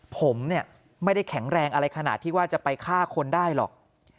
ผมเนี่ยไม่ได้แข็งแรงอะไรขนาดที่ว่าจะไปฆ่าคนได้หรอก